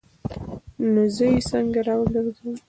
نو زه یې څنګه راوګرځوم؟